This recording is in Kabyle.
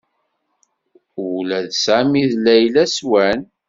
Ula d Sami d Layla swan.